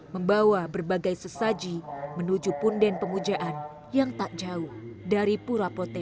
membawa berbagai sesaji menuju punden pemujaan yang tak jauh dari pura pote